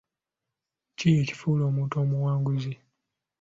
Ki ekifuula omuntu omuwanguzi?